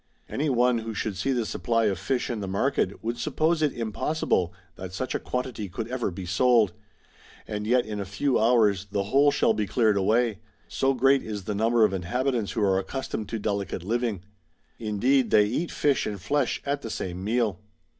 Any one who should see the supply offish in the market would suppose it impossible that such a quantity could ever be sold ; and yet in a few hours the whole shall be cleared away ; so great is the number of inhabitants who are accustomed to delicate living. Indeed they eat fish and flesh at the same meal.